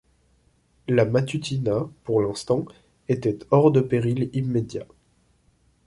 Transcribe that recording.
La Matutina, pour l’instant, était hors de péril immédiat.